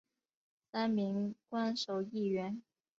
三名官守议员。